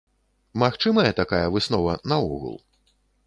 Магчымая такая выснова наогул?